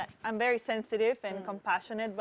saya sangat sensitif dan berkompasionat